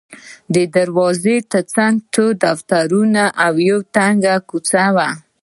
د دروازې ترڅنګ څو دفترونه او یوه تنګه کوڅه وه.